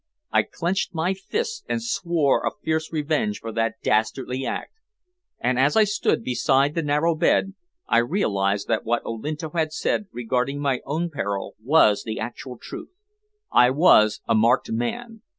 I clenched my fists and swore a fierce revenge for that dastardly act. And as I stood beside the narrow bed, I realized that what Olinto had said regarding my own peril was the actual truth. I was a marked man.